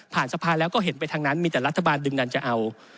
สภาแล้วก็เห็นไปทางนั้นมีแต่รัฐบาลดึงดันจะเอา